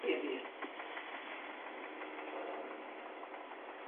Tuvieron dos hijos, Ernesto y Ariel.